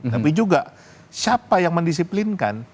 tapi juga siapa yang mendisiplinkan